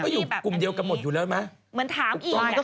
อยู่กลุ่มเดียวกับหมดอยู่แล้วมั้ย